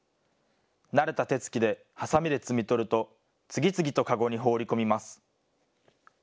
慣れた手つきで、はさみで摘み取ると、次々とかごに放り込みます。